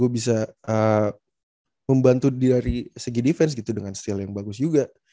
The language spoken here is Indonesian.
dan gue bisa membantu dari segi defense gitu dengan style yang bagus juga